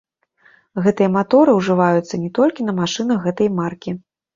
Гэтыя маторы ўжываюцца не толькі на машынах гэтай маркі.